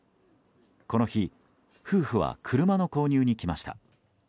この日夫婦は車の購入に来ました。